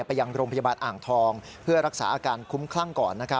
ไปยังโรงพยาบาลอ่างทองเพื่อรักษาอาการคุ้มคลั่งก่อน